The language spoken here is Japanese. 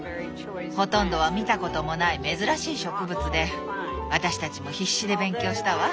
ほとんどは見たこともない珍しい植物で私たちも必死で勉強したわ。